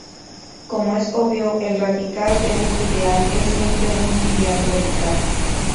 Como es obvio, el radical de un ideal es siempre un ideal radical.